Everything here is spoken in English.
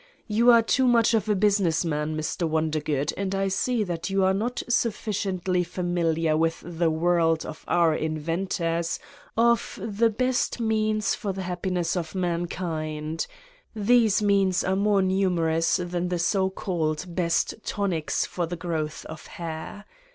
You are too much of a business man, Mr. Wondergood, and I see that you are not sufficiently familiar with the world of our inventors of the Best Means for the Happiness of Mankind: These means are more numerous than the so called best tonics for the growth of hair.